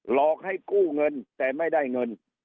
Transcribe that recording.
หลอกให้กู้เงินแต่ไม่ได้เงิน